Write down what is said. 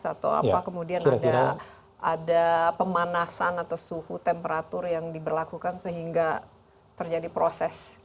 atau apa kemudian ada pemanasan atau suhu temperatur yang diberlakukan sehingga terjadi proses